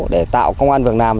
để tạo công an việc làm